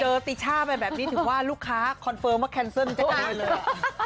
เจอติช่าแบบนี้ถึงว่าลูกค้าคอนเฟิร์มว่าแคนเซิลมันจะกลายเลย